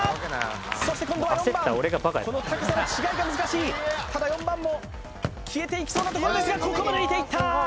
そして今度は４番その高さの違いが難しいただ４番も消えていきそうなところですがここも抜いていった！